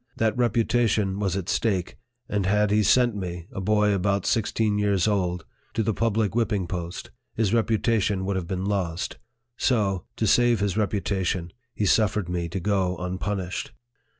That reputation was at stake ; and had he sent me a boy about sixteen years old to the public whipping post, his reputation would have been lost ; so, to save his reputation, he suffered me to go unpunished.